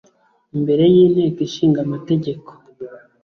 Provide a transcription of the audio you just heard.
imbere y Inteko Ishinga Amategeko